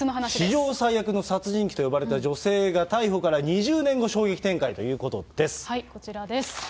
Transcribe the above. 史上最悪の殺人鬼と呼ばれた女性が逮捕から２０年後、衝撃展こちらです。